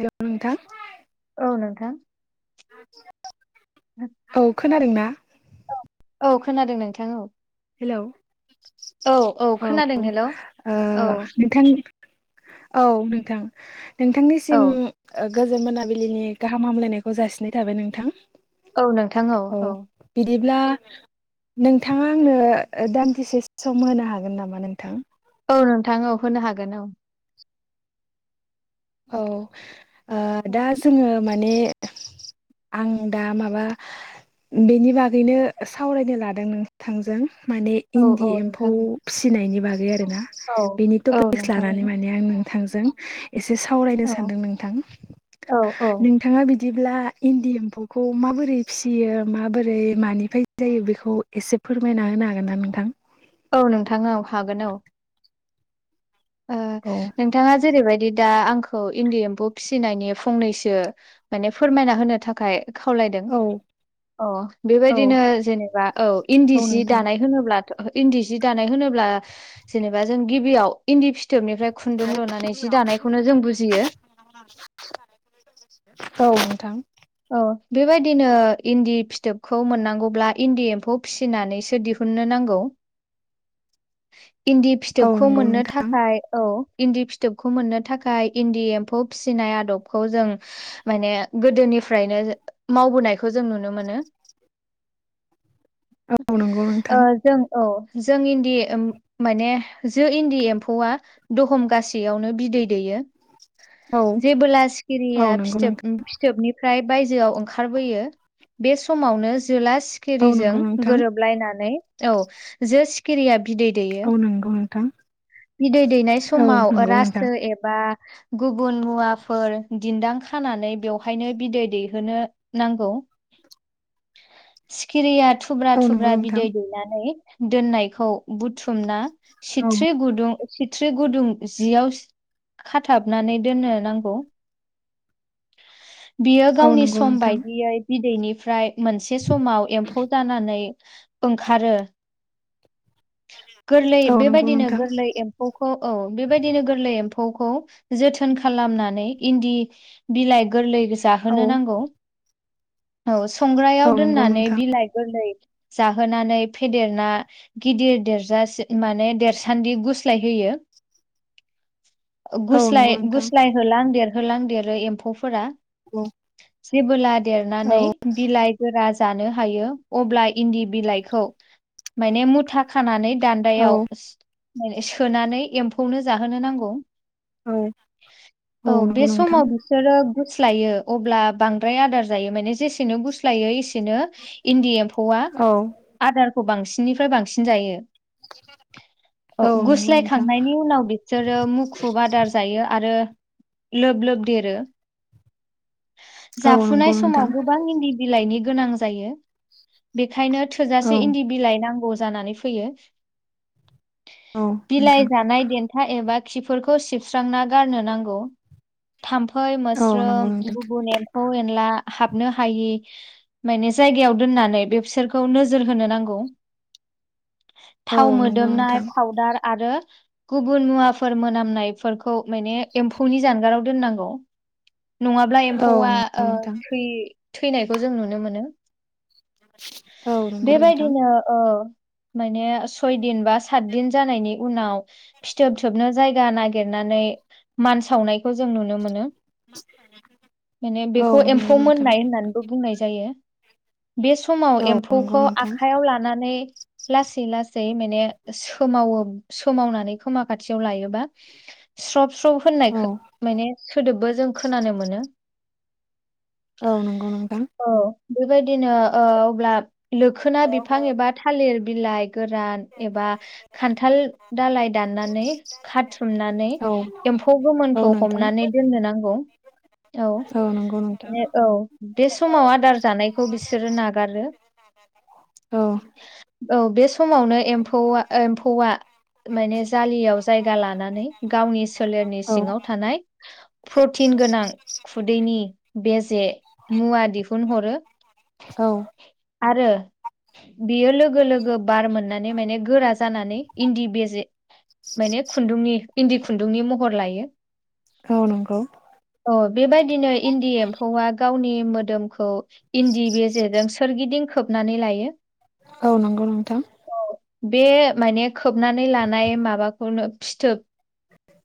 Hello नोंथां । औ नोंथां । औ खोनादों ना? औ खोनादों नोंथां औ । हेलौ औ खोनादों हेल' औ ओ औ नोंथां औ नोंथां नोंथांनिसिम ओ गोजोन मोनाबिलिनि गाहाम हामलायनायखौ जासिनाय थाबाय नोंथां । औ नोंथां औ औ । ब्ला नोंथाङा आंनो दान्दिसे सम होनो हागोन नामा नोंथां? औ नोंथां औ होनो हागोन औ । औ ओ दा जोङो माने आं दा माबा बेनि बागैनो सावरायनो लादों नोंथांजों माने औ इन्दि औ एम्फौ नोंथां फिसिनायनि बाग दा [unintelligible] औ बेनि औ टपिक्स नोंथां लानानै माने आं नोंथांजों एसे सावरायनो औ सानदों नोंथां औ औ नोंथाङा बिद दिब्ला इन्दि एम्फौखौ माबोरै फिसियो माबोरै मानिफ्राय जायो? बेखौ एसे फोरमायना होनो हागोन ना नोंथां? औ नोंथां औ हागोन औ । ओ औ नोंथाङा जेरैबायदि दा आंखौ इन्दि एम्फौ फिसिनायनि फंनैसो माने फोरमायना होनो थाखाय खावलायदों औ औ औ बेबायदिनो जेनेबा औ इन्दि औ जि नोंथां दानाय होनोब्ला इन्दि सि दानाय होनोब्ला जेनेबा जों गिबियाव इन्दि फि थोबनिफ्राय खुन्दुं लुनानै जि दानायखौनो जों बुजियो । औ । औ बेबायदिनो इन्दि फिथोबखौ मोननांगौब्ला इन्दि एम्फौ फिसिनानैसो दिहु ननो नांगौ [inaudible] इन्दि औ फिथोबखौ नंगौ मोननो नोंथां थाखाय औ । इन्दि फिथोबखौ मोननो थाखाय इन्दि एम्फौ फिसिनाय आदबखौ जों माने गोदोनि फ्रायनो मावबोनायखौ जों नुनो मोनो । औ नंगौ ओ नोंथां जों औ । जों इन्दि माने जो इन्दि एम्फौआ दहमगसेयावनो बिदै दैयो औ । जेबोला सिखिरिया औ नंगौ फिथोब नोंथां फिथोबनि फाय बायजोआव ओंखारबोयो । बे समावनो जोला औ सिखिरिजों नंगौ नोंथां गोरोबलायनानै औ जो सिखिरिया बिदै दैयो औ नंगौ नोंथां । बिदै दैनाय समाव नोंथां रासो एबा गुबुन मुवाफोर दिन्दां खानानै बेवहायनो बिदै दैहोनो नांगौ । [inaudible] सिखिरिया थुब्रा- औ नंगौ थुब्रा नोंथां बिदै दैनानै दोननायखौ बुथ्रुमना औ सिथ्रि गुद सिथ्रि गुदुं जियाव खाथाबनानै दोननो नांगौ । [inaudible] बियो गावनि नंगौ सम नोंथां बायदियै बिदैनिफ्राय मोनसे समाव एम्फौ जानानै ओंखारो गोरलै औ नंगौ बेबायदिनो नोंथां गोरलै एम्फौखौ औ बेबायदिनो गोरलै एम्फौखौ जोथोन खालामनानै इन्दि बि लाइ गोरलै औ जाहोनो नांगौ । औ संग्रायाव औ नंगौ दोननानै नोंथां बिलाइ गोरलै जाहोनानै फेदेरना गिदिर देरजासे माने देरसान्दि गुस लायो होयो औ गुस्लाय नंगौ होयो। नोंथां गुस्लाय होलां देर होलां देरो एम्फौ फोरा औ जेबोला औ देरनानै बिलाइ गोरा जानो हायो अब्ला इन्दि बिलाइखौ माने मुथा खानानै औ दान्दायाव सोनानै एम्फौनो जाहोनो नांगौ। औ औ बे नंगौ नोंथां समाव बिसोरो गुस्लायो अब्ला बांद्राय आदार जायो माने जेसेनो गुस्लायो एसेनो इन्दि एम एम्फौआ औ आदारखौ बांसिननिफ्राय बांसिन जायो। औ नंगौ नोंथां थांनायनि उनाव बिसोरो मुखुब आदार जायो। आरो लोब लोब देरो औ जाफुनाय नंगौ नोंथां समाव गोबां इन्दि बिलाइनि गोनां जायो। बेनिखायनो औ थोजासे इन्दि बिलाइ नांगौ जानानै फैयो। औ बिलाइ नोंथां जानाय देन्था एबा खिफोरखौ सिबस्रांना गारनो नांगौ। थाम्फै औ नंगौ मोस्रोम नोंथां गुबुन एम्फौ एनला हाबनो हायि माने जायगायाव दोननानै बे बिसोरखौ नोजोर होनो नांगौ। औ थाव नंगौ मोदोमनाय नोंथां फाउदार आरो गुबुन मुवाफोर मोनामनायफोरखौ माने एम्फौनि जानगाराव दोननांगौ। नङाब्ला औ एम्फौआ नंगौ नोंथां थ थैनायखौ जों नुनो मोनो। औ नंगौ नोंथां बेबायदिनो औ माने सय दिन बा सातदिन जानायनि उनाव फिथोब थोबनो जायग जायगा नागिरनानै मान सावनायखौ जों नुनो मोनो। माने औ बेखौ नंगौ एम्फौ नोंथां मोननाय होननानैबो बुंनायसै। बे समाव औ नंगौ एम्फौखौ नोंथां आखाइयाव लानानै लासै लासै माने सोमावो। सोमावनानै खोमा खाथियाव लायोबा स्रप ख्र होननाय औ माने सोदोबबो जों खोनानो मोनो। औ नंगौ नोंथां औ बेबायदिनो ओ अब्ला लोखोना बिफां एबा थालिर बिलाइ गोरान एबा खान्थाल दालाइ दाननानै खाथुमनानै औ एम्फौ औ गोमोनखौ नोंथां हमनानै दोननो नांगौ। औ नंगौ नोंथां औ बे समाव आदार जानायखौ बिसोरो नागारो। औ औ बे समावनो एमफौ एमफौआ माने जालियाव जायगा लानानै गावनि सोलेरनि औ सिङाव थानाय प्रटिन गोनां खुदैनि बेजे मुवा दिहुनहरो। औ आरो बियो लोगो लोगो बार मोननानै माने गोरा जानानै इन्दि बेजे माने खुन्दुंनि इन्दि खुन्दुंनि महर लायो। औ नंगौ अ बेबायदिनो इन्दि एम्फौआ गावनि मोदोमखौ इन्दि बेेजेजों सोरगिदिं खोबनानै लायो। औ नंगौ नोंथां बे माने खोबनानै लानाय माबाखौनो फिथोब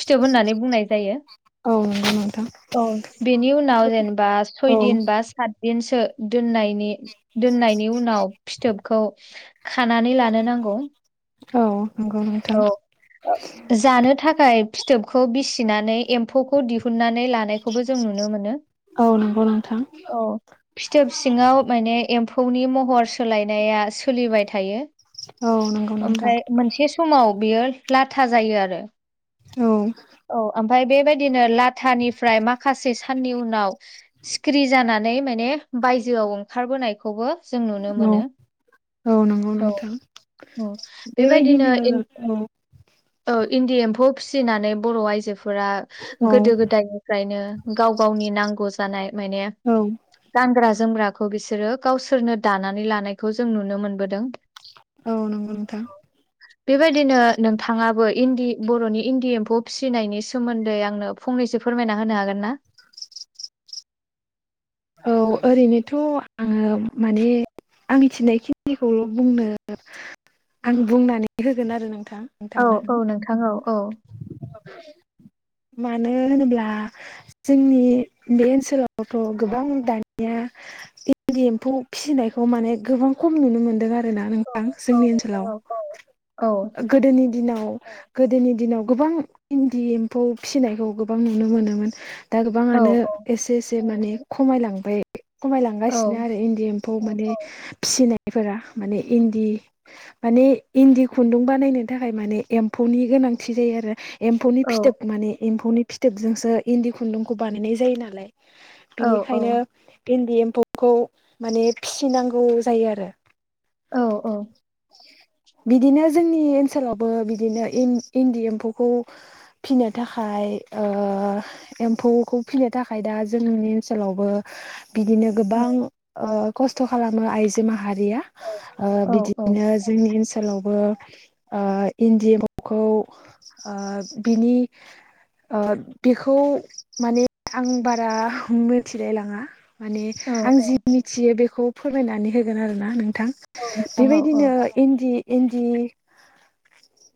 फिथोब होननानै बुंनाय जायो। औ नंगौ नोंथां औ बेनि उनाव जेनेबा औ सय दिन बा सातदिनसो दोननाय नि दोननायनि उनाव फिथोबखौ खानानै लानो नांगौ औ नंगौ नोंथां औ जानो थाखाय फिथोबखौ बिसिनानै एम्फौखौ दिहुननानै लानायखौबो जों नुनो मोनो औ नंगौ नोंथां औ फिथोब सिङाव माने एम्फौनि महर सोलायनाया सोलिबाय थायो औ नंगौ नोंथां ओमफ्राय मोनसे समाव बियो लाथा जायो आरो औ औ ओमफ्राय बेबायदिनो लाथानिफ्राय माखासे साननि उनाव सिखिरि जानानै माने बायजोआव ओंखारबोनायखौबो जों नुनो औ मोनो औ नंगौ औ नोंथां औ । बेबायदिनो औ । ओ इन्दि एम्फौ फिसिनानै बर' आइजो फोरा औ गोदो गोदायनिफ्रायनो गाव गावनि नांगौ जानाय माने औ गानग्रा जोमग्राखौ बिसो सोरो गावसोरनो दानानै लानायखौ जों नुनो मोनबोदों । औ नंगौ नोंथां । बेबायदिनो नोंथाङाबो इन्दि बर'नि इन्दि एम्फौ फिसिनायनि सोमोन्दै आंनो फंनैसो फोरमायना होनो हागोन ना? औ ओरैनोथ' आङो माने आं मिथिनायखिनिखौल' बुंनो आं बुंनानै होगोन आरो नों थां औ नोंथांनो । औ नोंथां औ औ मानो होनोब्ला जोंनि बे ओनसोलावथ' गोबां दानिया इन्दि एम्फौ फिसिनायखौ माने गोबां खम नुनो मोनदों आ रोना औ नोंथां जोंनि ओनसोलाव औ गोदोनि दिनाव गोदोनि दिनाव गोबां इन्दि एम्फौ फिसिनायखौ गोबां नुनो मोनोमोन । दा औ गोबाङानो एसे एसे माने खमायलांबाय । औ खमायलांगासिनो आरो इन्दि एम्फौ माने फिसिनाय फोरा माने इन्दि माने इन्दि खुन्दुं बानायनो थाखाय माने एम्फौनि गो नांथि जायो आरो । एम्फौनि औ फिथोब माने एम्फौनि फिथोबजोंसो इन्दि खुन्दुंखौ बानायनाय जायो नालाय । औ बिनिखायनो इन्दि एम्फौखौ माने फिसिनांगौ जायो आरो । औ औ । बिदिनो जोंनि ओनसोलावबो बिदिनो इन इन्दि एम्फौखौ फिनो थाखाय ओ एम्फौखौ फिनो थाखाय दा जोंनि ओनसोलावबो बिदिनो गोबां ओ खस्थ' खालामो आइजो मा हारिया ओ बिदिनो जोंनि ओनोल लावबो ओ इन्दि एमफौखौ ओ बिनि ओ बेखौ माने आं बारा मिथिलायलाङा माने औ आं औ जि मिथियो बेखौ फोरमायनानै होगोन आरोना नों थां नोंथां औ औ बेबायदिनो इन्दि इन्दि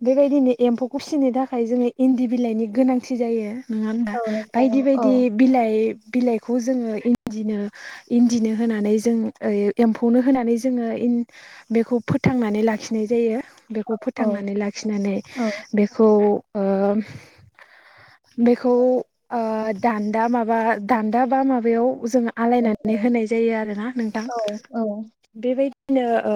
बेबायदिनो एम्फौखौ फिसिनो थाखाय जोङो इन्दि बिलाइनि गोनांथि जायो नङा होनोमबा औ नोंथां औ बायदि औ बायदि बिलाइ बिलाइखौ जोङो इन्दिनो इन्दिनो होनानै जों ओ एम्फौनो होनानै जोङो बेखौ फोथांनानै लाखिनाय जायो । बेखौ औ फोथांनानै लाखिनानै बेखौ ओ बेखौ ओ दान्दा माबा दान्दा बा माबायाव जोङो औ नोंथां आलायनानै होनाय जायो आरोना नोंथां बेबाय दिनो ओ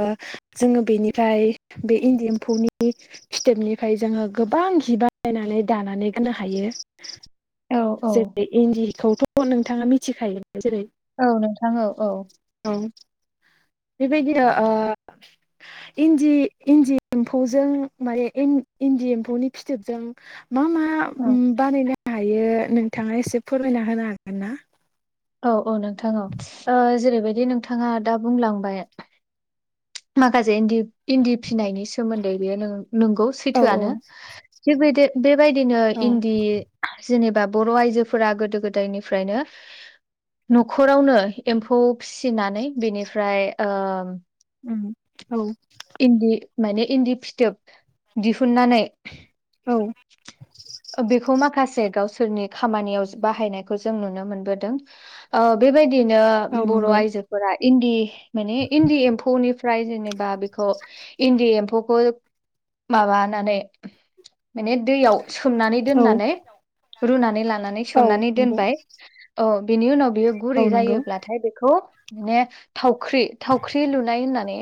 जोङो बेनिफ्राय बे इन्दि एम्फौनि फिथोबनिफ्राय जोङो गोबां जि बायनानै दानानै गाननो हायो। जेरै इन्दिखौथ' नोंथांङा मिथिखायो । औ नोंथां औ औ । औ बेबायदिनो ओ इन्दि इन्दि एम्फौजों माने इन्द इन्दि एम्फौनि फिथोबजों मा मा उम बानायनो हायो नोंथांङा एसे फोरमायना होनो हागोन ना? औ औ नोंथां औ ओ जेरैबायदि नोंथांङा दा बुंलांबाय माखासे इन्दि इन्दि फिनायनि सोमोन्दै बेयो नों-नोंगौ औ औ सैथोआनो थिग बिदि बेबायदिनो औ इन्दि जेनेबा बर' आइजोफोरा गोदो गोदायनिफ्रायनो न'खरावनो एम्फौ फिसिनानै बेनिफ्राय ओ उम औ। इन्दि माने इन्दि फिथोब दिहुननानै औ ओ बेखौ माखासे गावसोरनि खामानियाव बाहायनायखौ जों नुनोमोनबोदों ओ बेबायदि औ बिदिनो बर' नंगौ आइजोफोरा इन्दि माने इन्दि एम्फौनिफ्राय जेनेबा बि इन्दि एम्फौखौ माबानानै माने दैयाव सोमनानै औ दोननानै रुनानै लानानै औ सोमनानै नंगौ दोनबाय औ। बेनि उनाव बियो औ गुरै नंगौ जायोब्लाथाय बेखौ माने थाव थावख्रि थावख्रि लुनाय होननानै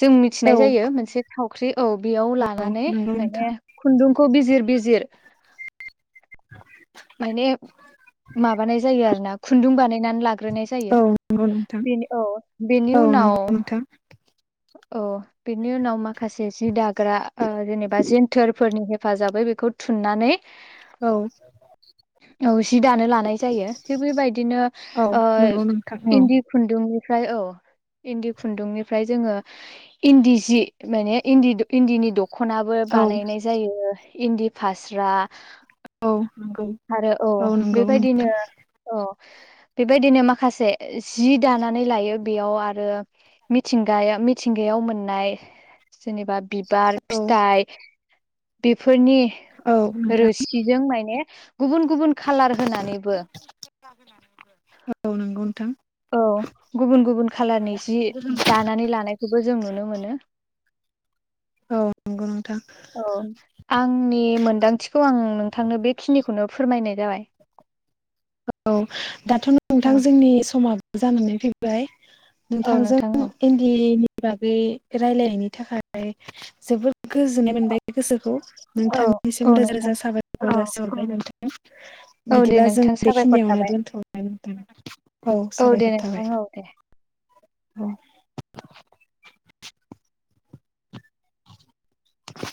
जों औ मिथिनाय जायो मोनसे थावख्रि औ बेयाव औ लानानै नंगौ नोंथां माने खुन्दुंखौ बिजिर बिजिर माइने माबानाय जायो आरोना खुन्दुं बानायनानै लाग ग्रोनाय जायो औ नंगौ नोंथां बिनि औ बिनि औ उनाव नंगौ नोंथां औ बिनि उनाव माखासे जि दाग्रा ओ जेनेबा जेन्थोरफोरनि हेफ हेफाजाबै बेखौ थुननानै औ। औ जि दानो लानाय जायो थिग बेबायदिनो औ ओ नंगौ नोंथां औ इन्दि खुन्दुंनिफ्राय औ इन्दि खुन्दुंनिफ्राय जोंङो इन्दि जि माने इन्दि इन्दिनि दख'नाबो औ बानायनाय जायो। इन्दि फास्रा औ नंगौ आरो अ औ नंगौ बेबायदिनो अ बेबायदिनो माखासे जि दानानै लायो बेयाव आरो मिथिंगाया मिथ थिंगायाव मोननाय जेनेबा बिबार नोंथां फिथाइ बेफोर फोरनि औ नोंथां रोसिजों माइने गुबुन गुबुन कालार होनानैबो औ नंगौ नोंथां औ गुबुन गुबुन खाालारनि जि दानानै लानायखौबो जों नुनो मोनो। औ नंगौ नोंथां औ आंनि मोनदांथिखौ आं नों नोंथांनो बेखिनिखौनो फोरमायनाय जाबाय। औ दाथ' अ नोंथां जोंनि समाबो जानानै फैबाय औ नोंथांजों नोंथां औ इन्दिनि बागै रायलायनायनि थाखाय जोबोद गोजोननाय मोनबाय गोसोखौ औ नोंथांनिसिम औ रोजा नोंथां रोजा साबायखर जासिहरबाय नोंथां औ दे बिदिब्ला जों नोंथां साबायखर बेखिनियावनो थाबाय दोनथ' बाय नोंथां औ दे साबायखर थाबाय नोंथां औ दे औ। [inaudible]